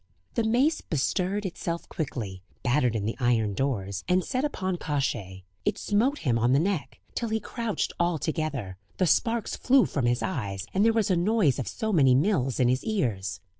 The mace bestirred itself quickly, battered in the iron doors, and set upon Kosciey; it smote him on the neck, till he crouched all together, the sparks flew from his eyes, and there was a noise of so many mills in his ears.